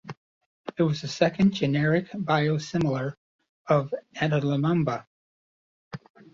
It was the second generic biosimilar of adalimumab.